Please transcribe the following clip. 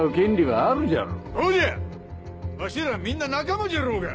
みんな仲間じゃろうが。